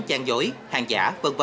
trang dối hàng giả v v